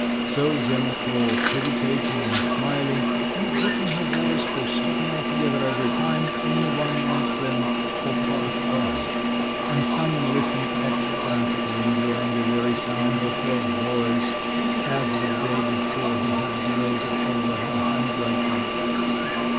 So Gemma talked, hesitating and smiling and dropping her voice or stopping altogether every time any one met them or passed by. And Sanin listened ecstatically, enjoying the very sound of her voice, as the day before he had gloated over her handwriting.